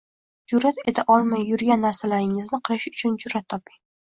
Jur’at eta olmay yurgan narsalaringizni qilish uchun jur’at toping